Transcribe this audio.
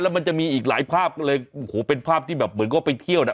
มันจะมีอีกหลายภาพก็เลยโอ้โหเป็นภาพที่แบบเหมือนก็ไปเที่ยวน่ะ